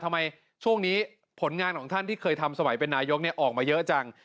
ทำไมช่วงนี้ผลงานของท่านที่เคยทำสมัยเป็นนายกออกมาเยอะจัง